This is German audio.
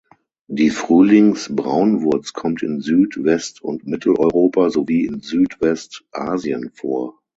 Die Frühlings-Braunwurz kommt in Süd-, West- und Mitteleuropa, sowie in Südwest-Asien vor.